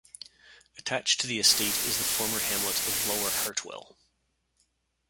Attached to the estate is the former hamlet of Lower Hartwell.